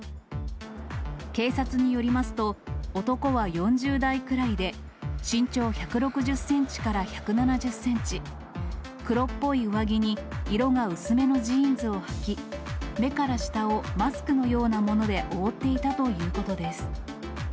警察によりますと、男は４０代くらいで、身長１６０センチから１７０センチ、黒っぽい上着に色が薄めのジーンズをはき、目から下をマスクのようなもので覆っていたということです。